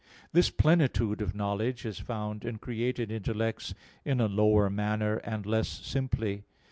This plenitude of knowledge is found in created intellects in a lower manner, and less simply.